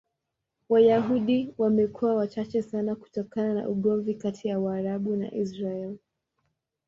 Wayahudi wamekuwa wachache sana kutokana na ugomvi kati ya Waarabu na Israel.